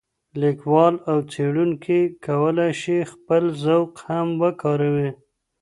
لیکوال او څېړونکي کولی شي خپل ذوق هم وکاروي.